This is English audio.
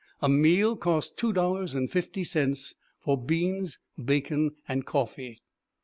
A meal cost two dollars and fifty cents, for beans, bacon, and coffee.